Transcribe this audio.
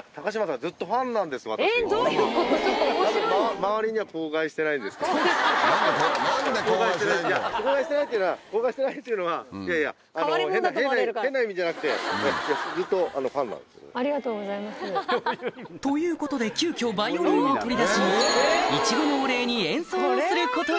変わり者だと思われるから？ということで急きょバイオリンを取り出しイチゴのお礼に演奏をすることに